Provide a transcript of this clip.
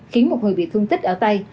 khiến một người bị thương tích ở tay